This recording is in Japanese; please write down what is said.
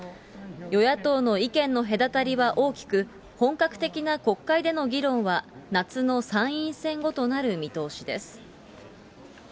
与野党の意見の隔たりは大きく、本格的な国会での議論は、夏の参院選ごとなる見通しです。